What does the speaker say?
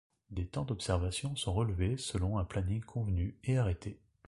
Des temps d'observations sont relevés selon un planning convenu et arrêté.